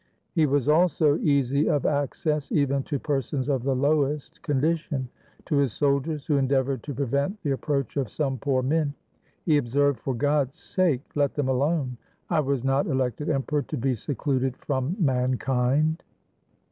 He was also easy of access, even to persons of the lowest condition. To his soldiers, who endeavored to prevent the approach of some poor men, he observed, "For God's sake, let them alone; I was not elected Em peror to be secluded from mankind."